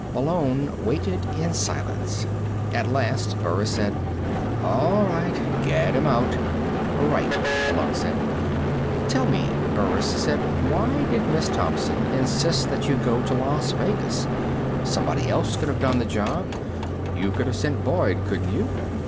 Malone waited in silence. At last Burris said: "All right. Get him out." "Right," Malone said. "Tell me," Burris said. "Why did Miss Thompson insist that you go to Las Vegas? Somebody else could have done the job. You could have sent Boyd, couldn't you?"